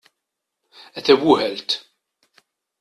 A tabuhalt!